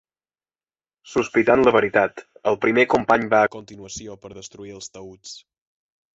Sospitant la veritat, el primer company va a continuació per destruir els taüts.